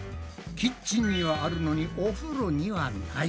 キッチンにはあるのにお風呂にはない。